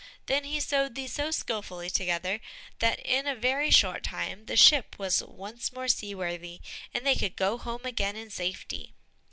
Then he sewed these so skilfully together, that in a very short time the ship was once more seaworthy, and they could go home again in safety.